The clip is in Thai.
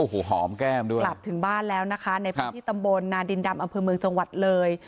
โอ้โหหอมแก้มด้วยกลับถึงบ้านแล้วนะคะในพื้นที่ตำบลนาดินดำอำเภอเมืองจังหวัดเลย